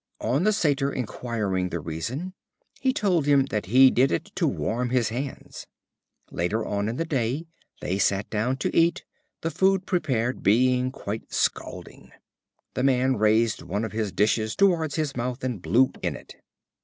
On the Satyr inquiring the reason, he told him that he did it to warm his hands. Later on in the day they sat down to eat, the food prepared being quite scalding. The Man raised one of his dishes towards his mouth and blew in it.